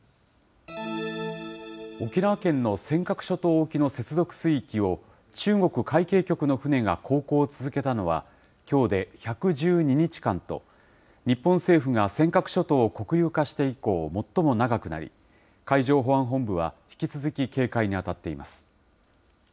沖縄県の尖閣諸島沖の接続水域を、中国海警局の船が航行を続けたのは、きょうで１１２日間と、日本政府が尖閣諸島を国有化して以降、最も長くなり、海上保安本部は、引き続き警戒に当たっています。